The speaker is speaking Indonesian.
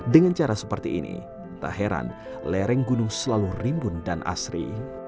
dengan cara seperti ini tak heran lereng gunung selalu rimbun dan asri